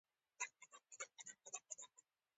غرمه د فکرونو پاکېدو فصل دی